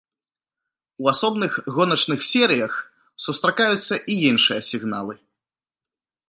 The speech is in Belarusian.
У асобных гоначных серыях сустракаюцца і іншыя сігналы.